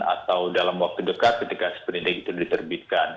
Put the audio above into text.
atau dalam waktu dekat ketika sprint digitu diterbitkan